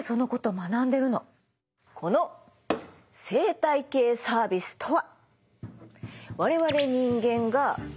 この生態系サービスとは。